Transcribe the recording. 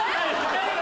大丈夫？